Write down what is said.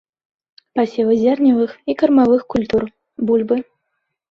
Пасевы зерневых і кармавых культур, бульбы.